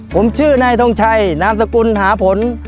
ผมชื่อนายทงชัยนามสกุลหาผล